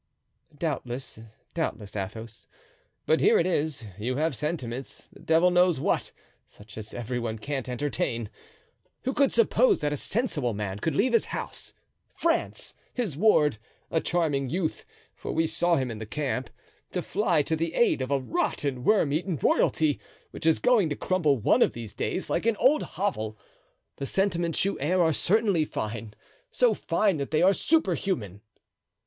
"Doubtless, doubtless, Athos. But here it is: you have sentiments, the devil knows what, such as every one can't entertain. Who could suppose that a sensible man could leave his house, France, his ward—a charming youth, for we saw him in the camp—to fly to the aid of a rotten, worm eaten royalty, which is going to crumble one of these days like an old hovel. The sentiments you air are certainly fine, so fine that they are superhuman."